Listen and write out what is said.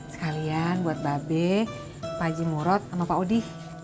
sekalian buat babe pak haji murot sama pak odi